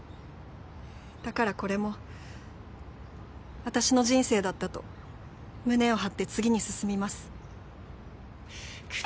だからこれも私の人生だったと胸を張って次に進みます。